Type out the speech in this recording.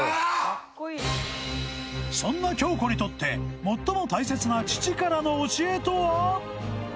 そんな京子にとって最も大切な父からの教えとは？